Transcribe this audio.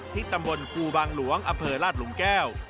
ตำบลครูบางหลวงอำเภอราชหลุมแก้ว